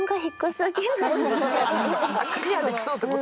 クリアできそうって事？